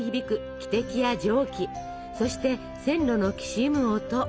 汽笛や蒸気そして線路のきしむ音